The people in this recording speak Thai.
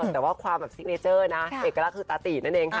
แต่ว่าความสิงเกราะเอกลักษณ์คือตาตีนั่นเองค่ะ